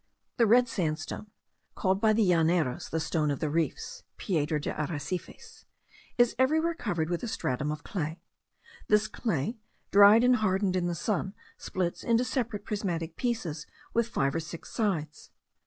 The red sandstone, called by the Llaneros, the stone of the reefs (piedra de arrecifes), is everywhere covered with a stratum of clay. This clay, dried and hardened in the sun, splits into separate prismatic pieces with five or six sides.